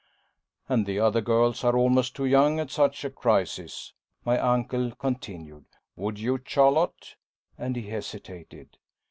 "And the other girls are almost too young at such a crisis," my uncle continued. "Would you, Charlotte " and he hesitated.